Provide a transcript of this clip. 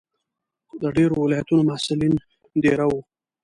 د ډېرو ولایتونو محصلین دېره وو.